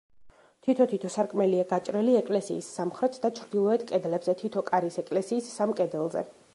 თითო-თითო სარკმელია გაჭრილი ეკლესიის სამხრეთ და ჩრდილოეთ კედლებზე, თითო კარის ეკლესიის სამ კედელზე.